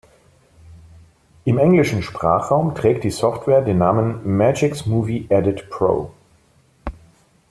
Im englischen Sprachraum trägt die Software den Namen "Magix Movie Edit Pro".